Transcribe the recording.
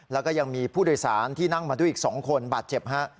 แล้วก็ยังมีผู้โดยสารที่นั่งมาด้วยอีก๒คนบาดเจ็บฮะ